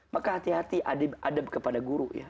maka hati hati adab kepada guru ya